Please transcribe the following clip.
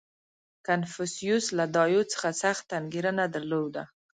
• کنفوسیوس له دایو څخه سخته انګېرنه درلوده.